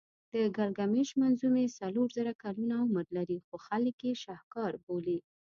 د ګیلګمېش منظومې څلور زره کلونه عمر لري خو خلک یې شهکار بولي.